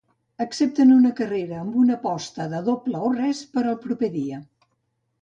Accepten una carrera amb una aposta de doble o res per al proper dia.